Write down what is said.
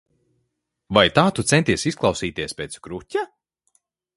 Vai tā tu centies izklausīties pēc kruķa?